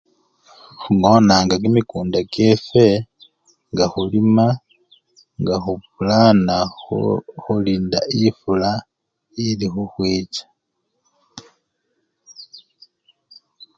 Khungonanga kimikunda kyefwe nga khulima nga khupulana khulinda efula elikhukhwicha.